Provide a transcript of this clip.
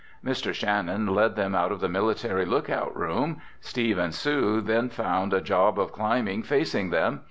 Mr. Shannon led them out of the Military Lookout Room. Steve and Sue then found a job of climbing facing them.